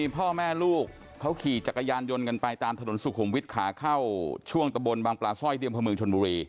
พ่อแม่ลูกเขาขี่จักรยานยนต์กันไปตามถนนสุขุมวิทย์ขาเข้าช่วงตะบนบางปลาสร้อยเทียมพเมืองชนบุรี